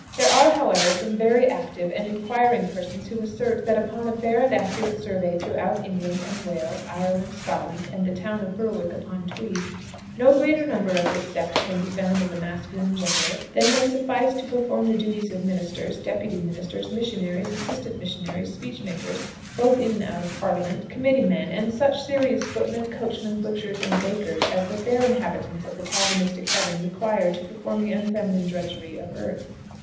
There are, however, some very active and inquiring persons who assert, that upon a fair and accurate survey throughout England and Wales, Ireland, Scotland, and the Town of Berwick upon Tweed, no greater number of this sect can be found of the masculine gender than may suffice to perform the duties of ministers, deputy ministers, missionaries, assistant missionaries, speech makers both in and out of parliament, committee men, and such serious footmen, coachmen, butchers, and bakers, as the fair inhabitants of the Calvinistic heaven require to perform the unfeminine drudgery of earth.